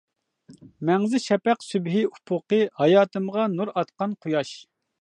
مەڭزى شەپەق سۈبھى ئۇپۇقى، ھاياتىمغا نۇر ئاتقان قۇياش.